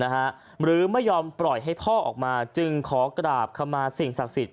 หรือไม่ยอมปล่อยให้พ่อออกมาจึงขอกราบคำมาสิ่งศักดิ์สิทธิ